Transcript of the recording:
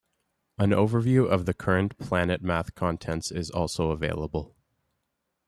An overview of the current PlanetMath contents is also available.